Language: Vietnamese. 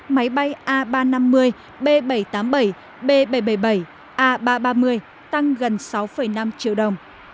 máy bay a ba trăm năm mươi b bảy trăm tám mươi bảy b bảy trăm bảy mươi bảy a ba trăm ba mươi tăng gần sáu năm triệu đồng